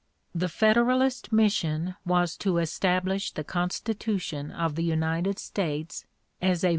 The Federalist mission was to establish the Constitution of the United States as a (p.